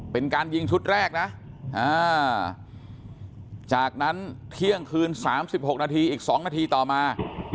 เป็นการยิงชุดแรกนะจากนั้นเที่ยงคืน๓๖นาทีอีก๒นาทีต่อมา